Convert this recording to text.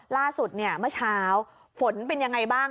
ล่าสุดเนี่ยเมื่อเช้าฝนเป็นยังไงบ้าง